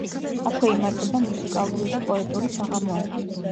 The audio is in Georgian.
აქვე იმართება მუსიკალური და პოეტური საღამოები.